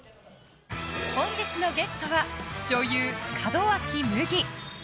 本日のゲストは女優・門脇麦。